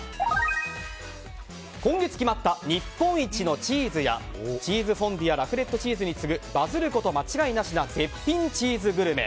今月決まった日本一のチーズやチーズフォンデュやラクレットチーズに次ぐバズること間違いなしな絶品チーズグルメ。